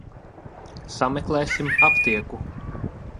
Sameklēsim aptieku.